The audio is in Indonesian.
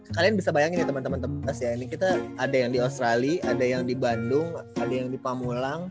kalian bisa bayangin ya teman teman tebas ya ini kita ada yang di australia ada yang di bandung ada yang di pamulang